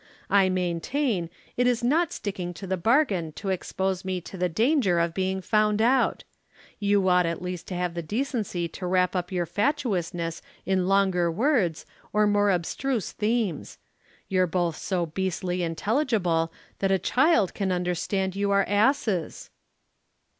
I maintain, it is not sticking to the bargain to expose me to the danger of being found out. You ought at least to have the decency to wrap up your fatuousness in longer words or more abstruse themes. You're both so beastly intelligible that a child can understand you're asses."